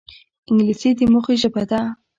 انګلیسي د موخې ژبه ده